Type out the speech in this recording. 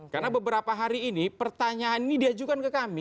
karena beberapa hari ini pertanyaan ini diajukan ke kami